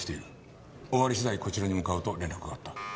終わり次第こちらに向かうと連絡があった。